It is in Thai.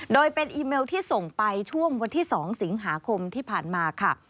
โดยเป็นอีเมลที่ส่งไปช่วงวันที่๒สิงหาคมที่ผ่านมาค่ะ